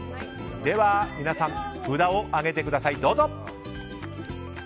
では、皆さん札を上げてください。